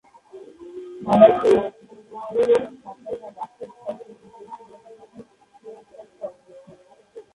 মাদার্শা ইউনিয়নে যোগাযোগের প্রধান সড়ক সাতকানিয়া-বাঁশখালী সড়ক এবং প্রধান যোগাযোগ মাধ্যম সিএনজি চালিত অটোরিক্সা।